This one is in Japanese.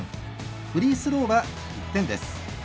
フリースローは１点です。